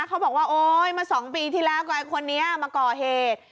เขาบอกว่าโอ๊ยมา๒ปีที่แล้วกับไอ้คนนี้มาก่อเหตุ